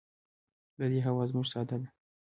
د دې هوا زموږ ساه ده